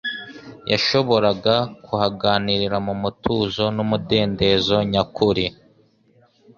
yashoboraga kuhaganirira mu mutuzo n'umudendezo nyakuri,